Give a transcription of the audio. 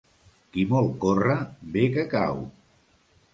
Qui molt corre, ve que cau.